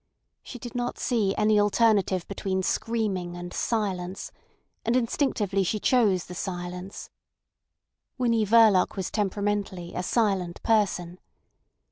She did not see any alternative between screaming and silence, and instinctively she chose the silence. Winnie Verloc was temperamentally a silent person.